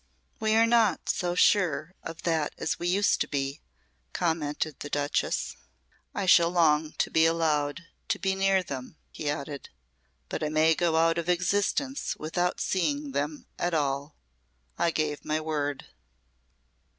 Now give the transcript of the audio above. "We are not so sure of that as we used to be," commented the Duchess. "I shall long to be allowed to be near them," he added. "But I may go out of existence without seeing them at all. I gave my word."